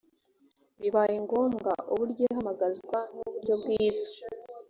bibayengombwa uburyo ihamagazwa n uburyo bwiza